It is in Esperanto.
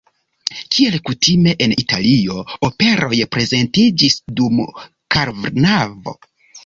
Kiel kutime en Italio, operoj prezentiĝis dum karnavalo, pentekosto kaj aŭtuno.